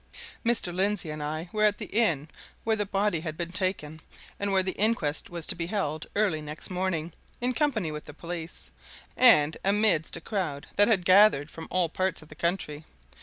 Mr. Lindsey and I were at the inn where the body had been taken, and where the inquest was to be held, early next morning, in company with the police, and amidst a crowd that had gathered from all parts of the country.